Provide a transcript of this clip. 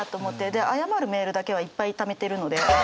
で謝るメールだけはいっぱいためてるので。